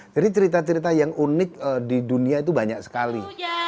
jadi cerita cerita yang unik di dunia itu banyak sekali